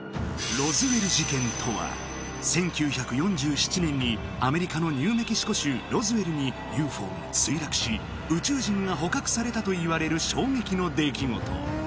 ロズウェル事件とは１９４７年にアメリカのニューメキシコ州ロズウェルにＵＦＯが墜落し宇宙人が捕獲されたといわれる衝撃の出来事